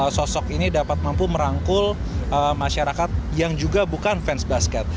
dan juga bagaimana sosok ini dapat mampu merangkul masyarakat yang juga bukan fans basket